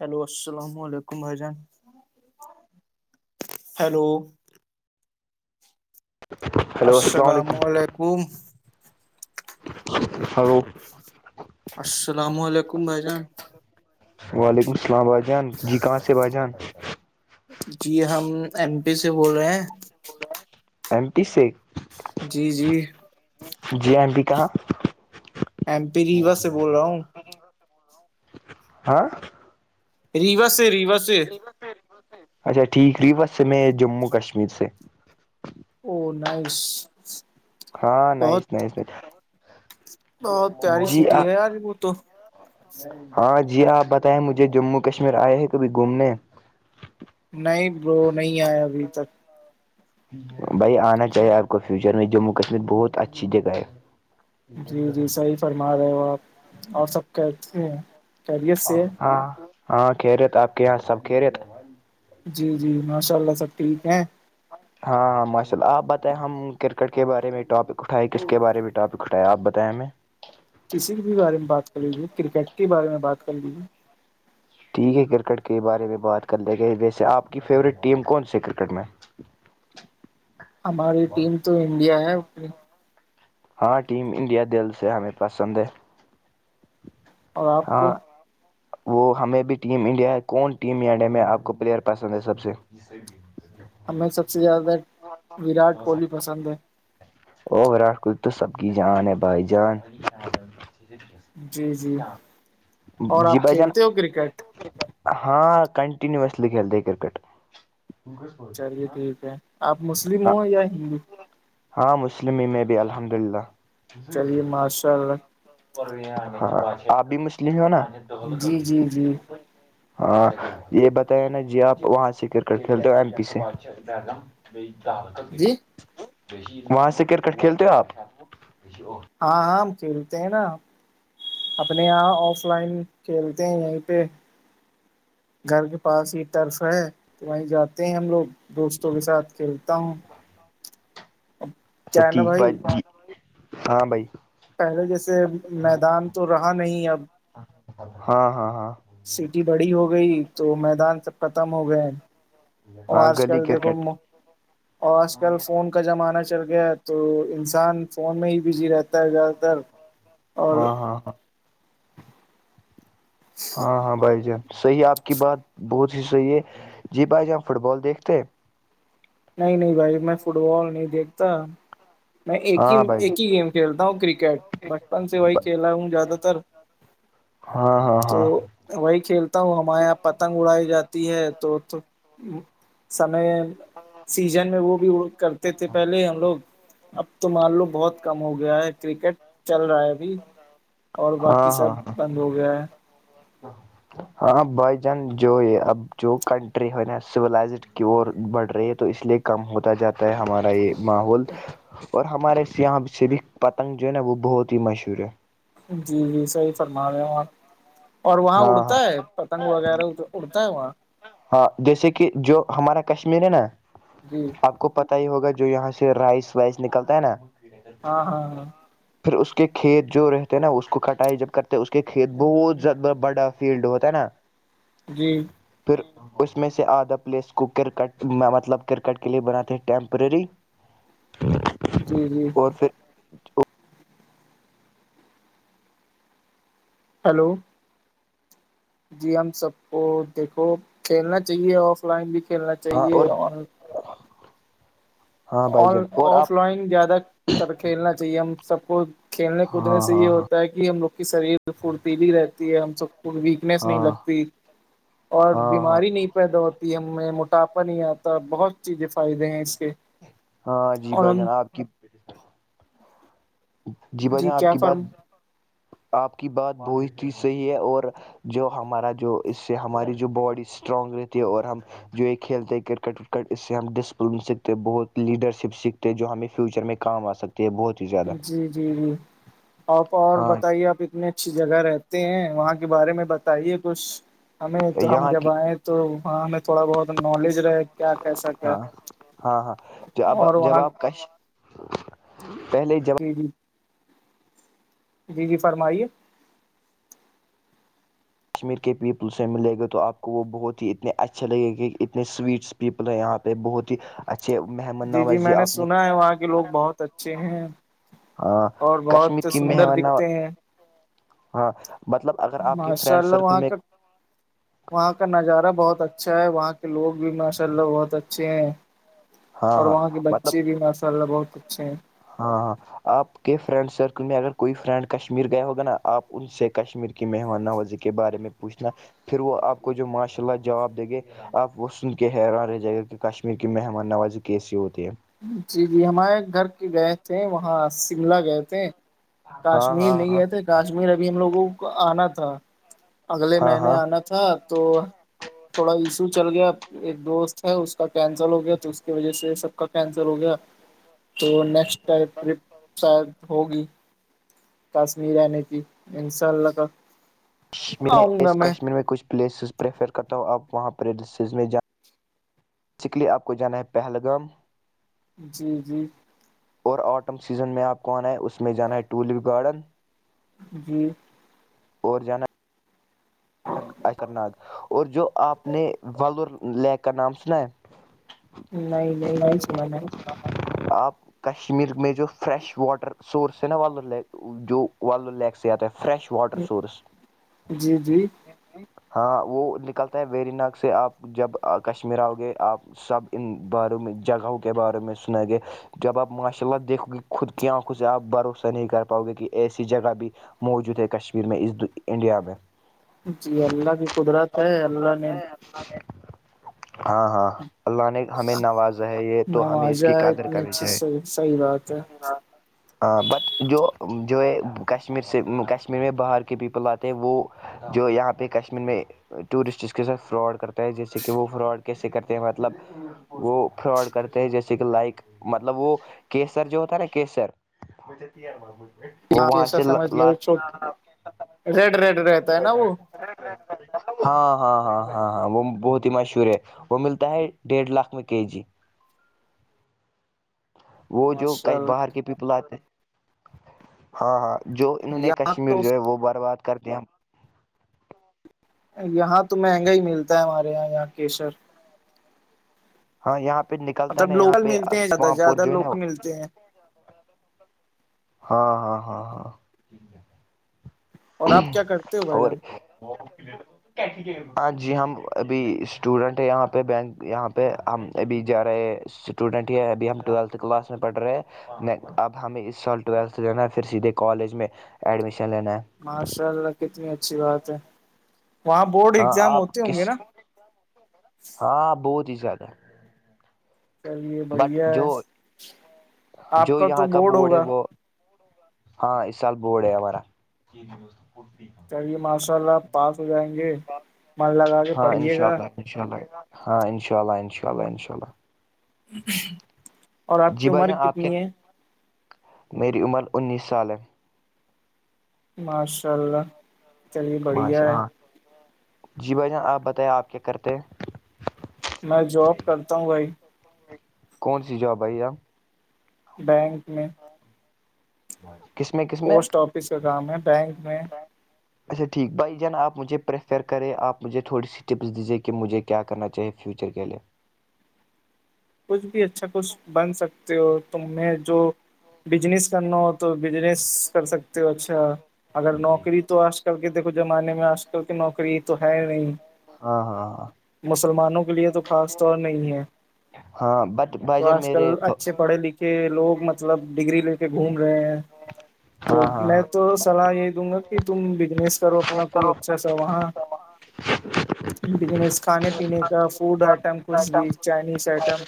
Hello السلام علیکم بھائی جان ہلو السلام علیکم ہلو السلام علیکم بھائی جان وعلیکم السلام بھائی جان جی کہاں سے بھائی جان جی ہم ایم پی سے بول رہے ہیں ایمٹی سیک جی جی جی ایم بھی کہاں ایم پی ریوا سے بول رہا ہوں ہاں ریوس ریوس اچھا ٹھیک ری بس میں جموں کشمیر سے اونائس ہاں نہیںس نہیںس نہیں ہاں پیاری سٹی ہے یار وہ تو ہاں جی آپ بتائیں مجھے جموں کشمیر آئے ہیں کبھی گھومنے نہیں وہ نہیں آیا ابھی تک بھائی آنا چاہیے آپ کو فیوچر میں جموں کشمیر بہت اچھی جگہ ہے جی جی صحیح فرما رہے ہو آپ اور سب کہتے ہیں خیریت سے ہاں ہاں کہہ رہے تھ آپ کے یہاں سب کہہ رہے تھ جی جی ماشاء اللہ سب ٹھیک ہیں ہاں مشل آپ بتائیں ہم کرکٹ کے بارے میں ٹاپک اٹھائے کس کے بارے میں ٹاپک تو کٹایا آپ بتیایں میں کسی بھی بارے میں بات کر لیجیے کرکٹ کے بارے میں بات کر لیجیے ٹھیک ہے کرکٹ کے بارے میں بات کر لیں گے ویسے آپ کی فیوریٹ ٹیم کون سی کرکٹ میں ہماری ٹیم تو انڈیا ہے اپنی ہاں ٹیم انڈیا دل سے ہمیں پسند ہے اور آپ کو ہاں وہ ہمیں بھی ٹیم انڈیا ہے کون ٹیم ڈیا میں آپ کو پلیئر پسند ہے سب سے جی جی ہمیں سب سے زیادہ وراٹ کوہلی پسند ہے اور ووراٹ کوہلی تو سب کی جان ہے بھائی جان جی جی اور جی آپ بجن کھیلتے ہو کرکٹ ہاں کنٹینوسلی کھیلتے کرکٹ چلیے ٹھیک ہے آپ مسلم ہاں ہوں یا ہندو ہاں مسلم ہی میں بھی الحمد للہ چلیے ماشاء اللہ آپ بھی مسلمم ہو نا جی جی جی ہاں یہ بتایا نا جی آپ وہاں سے کرکٹ کھیلتے ہو ایم پی سے جی وہاں سے کرکٹ کھیلتے ہو آپ ہاں ہاں ہم کھیلتے ہیں نا اپنے یہاں آف لائن کھیلتے ہیں یہیں پہ گھر کے پاس یہ ٹرف ہے تو وہیں جاتے ہیں ہم لوگ دوستوں کے ساتھ کھیلتا ہوں اچھا کیا ہے نا ٹھیک بائی بھائی ج ہاں بھائی پہلے جیسے میدان تو رہا نہیں اب ہاں ہاں ہاں سیٹی بڑی ہو گئی تو میدان سب ختم ہو گئے اور ہاں آج گلی کل دیکھو کرکٹ اور آج کل فون کا زمانہ چل گیا ہے تو انسان فون میں ہی بزی رہتا ہے زیادہ تر اور ہاں ہاں ہاں ہاں ہاں بھائی جان صحیح آپ کی بات بہت ہی صحیح ہے جی بھائی جان فٹ بال دیکھتے ہیں نہیں نہیں بھائی میں فٹ بال نہیں دیکھتا میں ایک ہی ہاں بھائی ایک ہی گیم کھیلتا ہوں کرکٹ بچپن سے وہی کھیلا ہوں زیادہ تر ہاں ہاں تو ہاں وہی کھیلتا ہوں ہمارے یہاں پتنگ اڑائی جاتی ہے تو تو سمے ہاں [unintelligible] [inaudible] سیزن میں وہ بھی کرتے تھے پہلے ہم لوگ اب تو مان لو بہت کم ہو گیا ہے کرکٹ چل رہا ہے ابھی اور باقی ہاں سب ہاں بند ہو گیا ہے ہاں بھائی جان جو یہ اب جو کنٹری ہے نا سلائزڈ کی اور بڑھ رہی ہے تو اس لیے کم ہوتا جاتا ہے ہمارا یہ ماحول اور ہمارے یہاں شریک پتنگ جو ہے نا وہ بہت ہی مشہور ہے جی جی صحیح فرما رہے ہ آپ اور وہاں ہاں اڑتا ہاں ہے پتنگ وغیرہ اڑتا ہے وہاں ہاں جیسے کہ جو ہمارا کشمیر ہے نا جی آپ کو پت ہی ہوگا جو یہاں سے رائس وائس نکلتا ہے نا ہاں ہاں ہاں پھر اس کے کھیت جو رہتے ہیں نا اس کو کٹائی جب کرتے اس کے کھیت بہت زیاد بڑا فیلڈ ہوتا ہے نا جی پھر اس میں سے آدھا پلیس کو کرکٹ مطلب کرکٹ کے لیے بناتے ہیں ٹیمپرری ا [unintelligible] [inaudible] جی جی ہلو جی ہم سب کو دیکھو کھیلنا چاہیے آف لائن بھی کھیلنا ہاں چاہیے اور اورن ہاں آ بھائی جان اور آپ آف لائن زیادہ تر کھیلنا چاہیے ہم سب کو کھیلنے کودنے ہاں سے ہاں یہ ہاں ہوتا ہے کہ ہم لوگ کی شریر فرتیلی رہتی ہے ہم سب کو ویکنیس نہیں ہاں لگتی اور ہاں ہاں بیماری نہیں۔ پیدا ہوتی ہے ہمیں موٹاپا نہیں آتا بہت چیزیں فائدے ہیں اس کے ہاں جی بھائی اورم جان آپ کی جی ب جان آپ کیا کی بات فرم آپ کی بات بہت ہی صحیح ہے اور جو ہمارا جو اس سے ہماری جو باڈی اسٹرانگ رہتی ہے اور ہم جو یہ کھیلتے کرکٹکٹ اس سے ہم ڈسپلن سیکتے ہیں بہت لیڈر شپ سیکھتے جو ہمیں فیوچر میں کام آ سکتے ہیں بہت ہی زیادہ جی جی جی آپ اور ہاں بتائیے آپ اتنے اچھی جگہ رہتے ہیں وہاں کے بارے میں بتائیے کچھ ہمیں تو ہم یہاں جب کی آئے تو وہاں ہم تھوڑا بہت نالج رہے کیا کیسا کیا ہاں ہاں ہاں ج اب اور جب وہاں آابپ کش پہلے جب [unintelligible] [inaudible] جی جی فرمائیے کشمیر کے پیپل سے ملے گا تو آپ کو وہ بہت ہی اتنے اچھے لگے گے کہ اتنے سوئٹس پیپل ہے یہاں پہ بہت ہی اچھا جی جی میں نے سنا ہے وہاں کے لوگ [unintelligible] بہت اچھے ہیں ہاں اور کشمیر بہت کی سندر مہمان دکھتے ہیں ہاں مطلب اگر آپ کے ماشاء فرینڈ اللہ سرکل وہاں میں کا وہاں کا نظارہ بہت اچھا ہے وہاں کے لوگ بھی ن ماشاء اللہ بہت اچھے ہیں ہاں اور ہاں وہاں کے مطلب بچے بھی ماشاء اللہ بہت اچھے ہیں ہاں ہاں آپ کے فرینڈ سرکل میں اگر کوئی فرینڈ کشمیر گیا ہوگا نا آپ ان سے کشمیر مہمان نوزی کے بارے میں پوچھنا پھر وہ آپ کو جو ماشاء اللہ جواب دے گے آپ وہ سن کے حیران رہ جائے گا کہ کشمیر کی مہمان نوازی کیسی ہوتی ہے جی جی ہمارے گھر کے گئے تھے وہاں شملہ گئے تھے ہاں کاشمیر ہاں نہیں گئے تھے ہاں کاشمیر ابھی ہم لوگوں کو آنا تھا اگلے ہاں مہینے ہاں آنا تھا تو تھوڑا ایشو چل گیا ایک دوست ہے اس کا کینسل ہو گیا تو اس کی وجہ سے سب کا سل ہو گیا تو نیکٹ ٹرپ شاید ہوگی کشمیر رہنے کی انشاء اللہ کا میں آؤں گا اس کشمیر میں کچھ پلیسز پریفر کرتا ہوں آپ وہاں پریریسز میں جائیں اس کے لیئے آپ کو جانا ہے پہلگام جی جی اور آٹم سیزن میں آپ کو آنا ہے اسس میں جانا ہے ٹولپ گارڈن جی اور جانا اکر نگ اور جو آپ نے ور لییک کا نام سنا ہے نہیں نہیں نہیں سنا میں آپ کشمیر میں جو فریش واٹر سورس ہیں نا وال ل جو ولل لییک سے آتا ہے فریش واٹر سورس جی جی ہاں وہ نکلتا ہے ویری نگ سے آپ جب کشمیر آؤ گے آپ سب ان بارے میں جگہوں کے بارے میں سنیں گے جب آپ ماشاء اللہ دیکھو گے خود کی آنکھود سے آپ بھروسہ نہیں کر پاؤ گے کہ ایسی جگہ بھی موجود ہے کشمیر میں اس انڈیا میں جی اللہ کی قدرت ہے اللہ نے ہاں ہاں اللہ نے ہمیں نوازا ہے یہ تو ہمیں اس نمازہ کی قادر اتنی کرنی اچھی چاہی صحیح بات ہے اچ ہاں بٹ جو جو ہے کشمیر سے کشمیر میں باہر کے پیپل آتے ہیں وہ جو یہاں پہ کشمیر میں ٹورسٹ اس کے ساتھ فراڈ کرتا ہے جیسے کہ وہ فراڈ کیسے کرتے ہیں مطلب وہ فراڈ کرتے ہیں جیسے کہ لائک مطلب وہ کیسر جو ہوتا ہے نا کیسر وہ وہاں سے ل ریٹ ریٹ ہاں ہاں ہاں ہاں ہاں وہ بہت ہی مشہور ہے وہ ملتا ہے ڈیڑھ لاکھ میں کے جی وہ جو ماشاء کہ باہر اللہ کے پیپل آتے ہیں ہاں ہاں جو انہوں نے یہاں کشمیر تو جو ہے وہ برباد کر دیا یہاں تو مہنگا ہی ملتا ہے ہمارے یہاں یہاں کیشر ہاں یہاں پہ نکل مطلب لوکل ملتے ہیں زیادہ سے زیادہ لوک ملتے ہیں ہاں ہاں ہاں ہاں اور آپ کیا کرتے ہو بھائی اور جان ہاں جی ہم ابھی اسٹوڈینٹ ہے یہاں پہ بینک یہاں پہ ہم ابھی جا رہے اسٹوڈینٹ ہے ابھی ہم ٹویلتھ کلاس میں پڑھ رہے ہیں نہیں اب ہمیں اس سال ٹویلتھ جانا ہے پھر سیدھے کالج میں ایڈمیشن لینا ہے ماشاء اللہ کتنی اچھی بات ہے وہاں بورڈ ہاں اگزام آپ ہوتے ہوں گے کس نا ہاں بہت ہی زیادہ چلیے بٹ بڑھیا جو ہے آپ جو تو یہاں کا بورڈ ہے ہوگا وہ ہاں اس سال بورڈ ہے ہمارا چلیے ماشاء اللہ پاس ہو جائیں گے من لگا کے ہاں پڑھیے اناء گا اللہ انشا اللہ ہاں ان شاء اللہ انش شاء اللہ انشاء اللہ اور آپ کی جی بھائی عمر جان آپ کیا کتنی ہے میری عمر انیس سال ہے ماشاء اللہ چلیے مش بڑھیا ہے ہاں جی بھائی جان آپ بتیں آپ کیا کرتے ہیں میں جاب کرتا ہوں بھائی کون سی جاب آئیائی آپ بینک میں کس میں کیا [inaudible] پوسٹ آفس کا کام ہے بینک میں اچھا ٹھیک بھائی جان آپ مجھے پریفر کرے آپ مجھے تھوڑی سی ٹپس دیجیے کہ مجھے کیا کرنااہے فیوچر کے لیے کچھ بھی اچھا کچھ بن سکتے ہو تم میں جو بجنس کرنا ہو تو بجنس کر سکتے ہو اچھا اگر نوکری تو آج کل کے دیکھو زمانے میں آج کل کی نوکری تو ہے ہی نہیں ہاں ہاں ہاں مسلمانوں کے لیے تو خاص طور نہیں ہے ہاں بٹ تو بھائی جان آج کل میرے اچھے پڑے لکھے کے لوگ مطلب ڈگری لے کے گھوم رہے ہیں تو ہاں میں ہاں تو سلاح یہی دوں گا کہ تم بزنس کرو اپنا کوئی اچھا سا وہاں ہاں بنس کھانے پینے کا فوڈ آئٹم کچھ بھی چائنیز آئٹم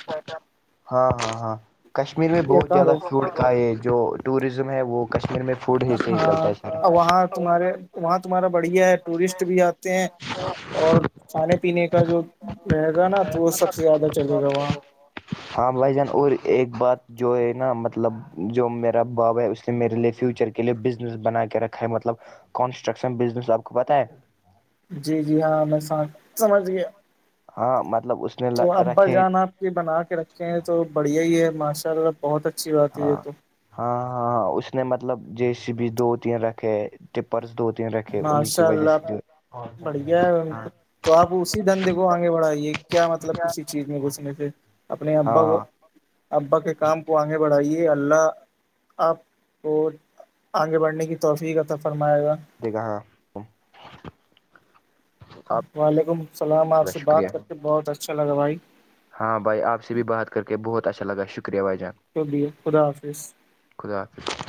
ہاں ہاں ہاں کشمیر میں یا بہت زیادہ کارو فڈ کا ہے جو ٹوریزم ہے وہ کشمیر میں فوڈ ہی سے ہی ہاں چلتا ہے سارا وہاں تمہارے وہاں تمہارا بڑھیا ہے ٹورسٹ بھی آتے ہیں اور کھانے پینے کا جو رہے گا نا تو وہ سب سے زیادہ چلے گا وہاں ہاں بھائی جان اور ایک بات جو ہے نا مطلب جو میرا باب ہے اس میرے لیے فیوچر کے لیے بزنس بنا کے رکھا ہے مطلب کانسٹرکشن بزنس آپ کو پت ہے جی جی ہاں میں س سمجھ گیا ہاں مطلب اس نے تو ابا رکھے جان آپ کے بنا کے رکھے ہیں تو بڑھیا ہی ہے ماشاء اللہ بہت اچھی بات ہے یہ تو ہاں ہاں ہاں اس نے مطلب جی سی بی دو تین رکھے پرس دو تین رکھے انیں کی ماشاء وجہ سے اللہ جو بڑھیا ہے ان کو تو آپ اسی دھندے کو آگے بڑھائیے کیا مطلب کسی چیز میں گھسنے سے اپنے ابا ہاں کو ابا کے کام کو آگے بڑھائیے اللہ آپ کو آگے بڑھنے کی توحفی کا تب فرمائے گا ج کہ ہ [inaudible] وعلیکم السلام آپ کا سے شکریہ بات کر کے بہت اچھا لگا بھائی ہاں بھائی آپ سے بھی بات کر کے بہت اچھا لگا شکریہ بھائی جان شکے خدا حافظ خدافظ